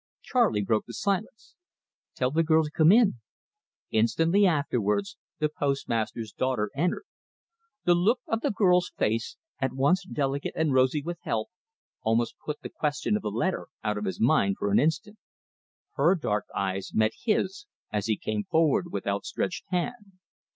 Charley broke the silence. "Tell the girl to come in." Instantly afterwards the postmaster's daughter entered. The look of the girl's face, at once delicate and rosy with health, almost put the question of the letter out of his mind for an instant. Her dark eyes met his as he came forward with outstretched hand.